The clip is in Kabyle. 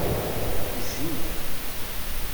Jji.